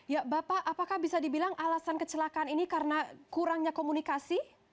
ya bapak apakah bisa dibilang alasan kecelakaan ini karena kurangnya komunikasi